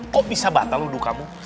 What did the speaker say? kok bisa batal udu kamu